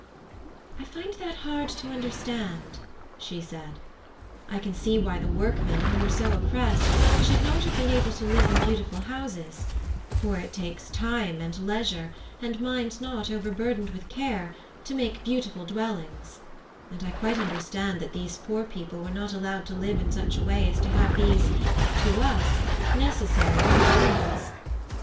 "I find that hard to understand," she said. "I can see why the workmen, who were so oppressed, should not have been able to live in beautiful houses; for it takes time and leisure, and minds not over burdened with care, to make beautiful dwellings; and I quite understand that these poor people were not allowed to live in such a way as to have these (to us) necessary good things.